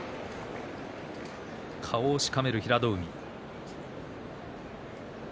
顔をしかめる平戸海。